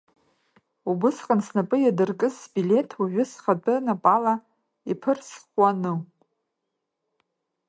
Убысҟан снапы иадыркыз сбилеҭ уажәы схатәы напала иԥырсхуану?